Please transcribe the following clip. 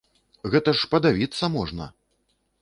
Гэта ж падавіцца можна!